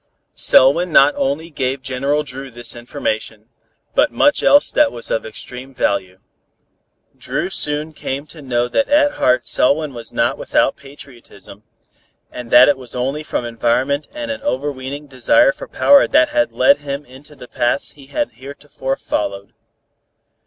Selwyn not only gave General Dru this information, but much else that was of extreme value. Dru soon came to know that at heart Selwyn was not without patriotism, and that it was only from environment and an overweening desire for power that had led him into the paths he had heretofore followed.